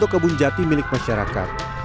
kebun jati milik masyarakat